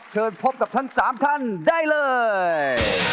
เชิญพบกับทั้ง๓ท่านได้เลย